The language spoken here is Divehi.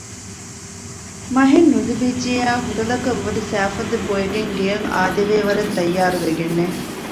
މަހެއް ނުލިބިއްޖެޔާ ހޮޓަލަކަށް ވަދެ ސައިފޮދެއް ބޮއެގެން ގެއަށް އާދެވޭ ވަރަށް ތައްޔާރުވެގެންނެ